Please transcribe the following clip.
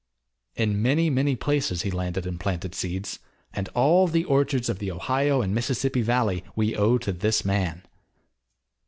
In many, many places he landed and planted seeds, and all the orchards of the Ohio and Mississippi Valley we owe to this man.